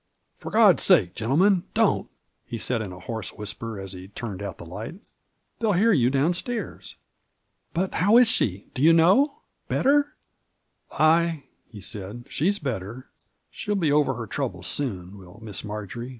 " For God's sake, gentlemen, don't 1 " he said, in a hoarse whisper, as he turned out the light ; "they'll hear you downnstairs." Digitized by VjOOQIC 104 MARJORY. "But how is she? do yon know — ^better?" "Ay," he said, "she's better. She'll be over her trouble soon, will Miss Marjory!"